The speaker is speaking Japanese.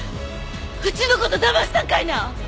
うちの事だましたんかいな。